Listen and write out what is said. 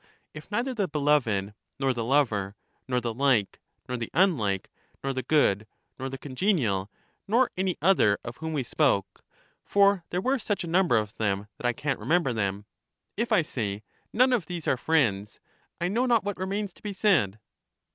If neither the beloved, nor the lover, nor the like, nor the unlike, nor the good, nor the congenial, nor any other of whom we spoke — for there were such a number of them that I can't remember them — if, I say, none of these are friends, I know not what remains to be said.